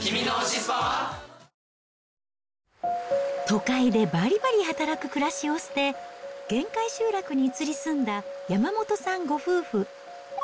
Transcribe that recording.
都会でばりばり働く暮らしを捨て、限界集落に移り住んだ山本さんご夫婦。